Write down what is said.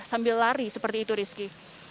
sambil lari seperti itu rizky